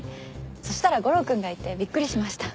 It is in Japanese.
そしたら悟郎君がいてびっくりしました。